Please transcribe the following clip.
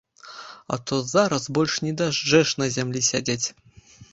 А то зараз больш не дажджэш на зямлі сядзець!